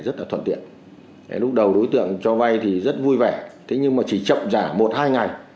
đối tượng cho vay thì rất vui vẻ thế nhưng mà chỉ chậm giả một hai ngày